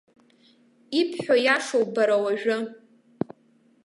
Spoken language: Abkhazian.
Ибҳәо иашоуп бара уажәы.